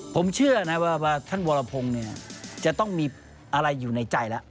ผมเชื่อนะว่าท่านวรพงศ์จะต้องมีอะไรอยู่ในใจแล้ว